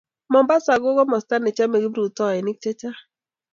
Mombasa ko komosta ne chomei kiprutoinik chechang